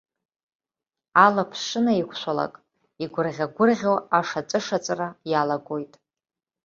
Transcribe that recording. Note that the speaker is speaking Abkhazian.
Алаԥш шынаиқәшәалак, игәырӷьа-гәырӷьо ашаҵәышаҵәра иалагоит.